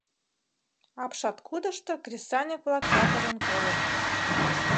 Апшаткудышто кресаньык-влак ятырын койыт.